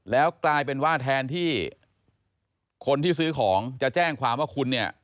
แล้วกลายเป็นว่าแทนที่คนที่ซื้อของจะแจ้งความว่าคุณเนี่ย